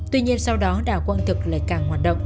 tuy nhiên sau đó đảo quang thực lại càng hoạt động